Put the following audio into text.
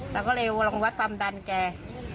เราก็เลยลองวัดความดันแก